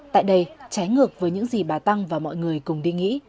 tại đây trái ngược với những gì bà tăng và mọi người cùng đi nghĩ